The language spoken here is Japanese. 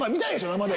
生で。